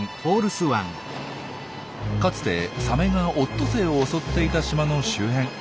かつてサメがオットセイを襲っていた島の周辺。